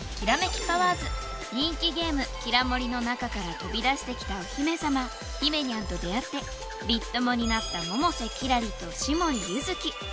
人気ゲーム「キラもり」の中から飛び出してきたお姫様ひめにゃんと出会ってビッ友になった桃瀬キラリと紫守ユヅキ。